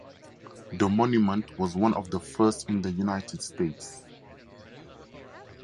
The monument was one of the first in the United States.